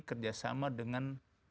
kerjasama dengan dua puluh